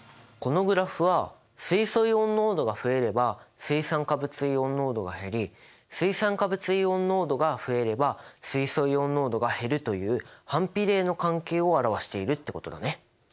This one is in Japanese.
このグラフは水素イオン濃度が増えれば水酸化物イオン濃度が減り水酸化物イオン濃度が増えれば水素イオン濃度が減るという反比例の関係を表しているってことだね。